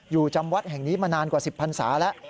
จำวัดแห่งนี้มานานกว่า๑๐พันศาแล้ว